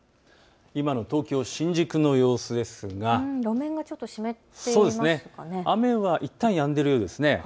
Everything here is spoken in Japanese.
今の東京新宿の様子ですが雨はいったんやんでいるようです。